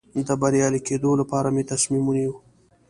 د بریالي کېدو لپاره مې تصمیم ونیو.